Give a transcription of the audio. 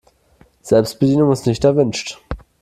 Selbstbedienung ist nicht erwünscht.